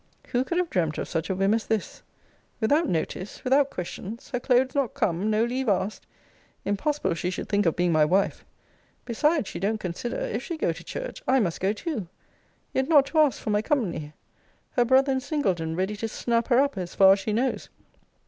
Who could have dreamt of such a whim as this? Without notice, without questions! Her clothes not come! No leave asked! Impossible she should think of being my wife! Besides, she don't consider, if she go to church, I must go too! Yet not to ask for my company! Her brother and Singleton ready to snap her up, as far as she knows!